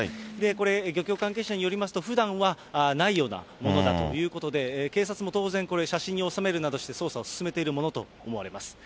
これ漁協関係者によりますと、ふだんはないようなものだということで、警察も当然、これ、写真に収めるなどして、捜査を進めているものと思われます。